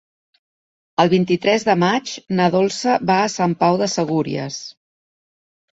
El vint-i-tres de maig na Dolça va a Sant Pau de Segúries.